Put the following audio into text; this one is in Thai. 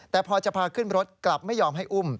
แต่พอจะพาขึ้นรถกลับไม่ยอมให้อุ้ม